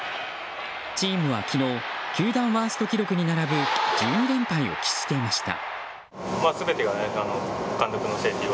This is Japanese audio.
チームは昨日球団ワースト記録に並ぶ１２連敗を喫していました。